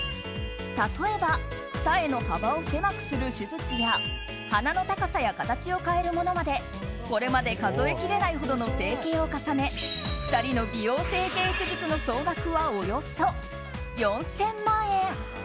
例えば二重の幅を狭くする手術や鼻の高さや形を変えるものまでこれまで数えきれないほどの整形を重ね２人の美容整形手術の総額はおよそ４０００万円！